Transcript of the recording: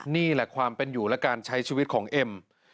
นี่แหละความเป็นอยู่และการใช้ชีวิตของเอ็ม